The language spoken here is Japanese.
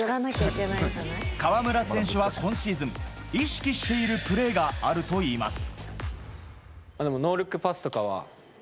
河村選手は今シーズン意識しているプレーがあるといいます。